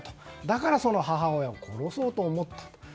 だからその母親を殺そうと思った。